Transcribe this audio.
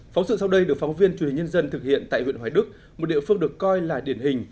phóng sự sau đây được phóng viên truyền hình nhân dân thực hiện tại huyện hoài đức một địa phương được coi là điển hình